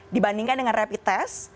dibandingkan dengan rapid test